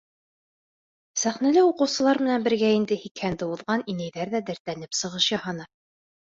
Сәхнәлә уҡыусылар менән бергә инде һикһәнде уҙған инәйҙәр ҙә дәртләнеп сығыш яһаны.